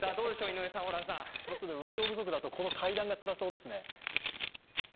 運動不足だと、この階段がつらそうですね。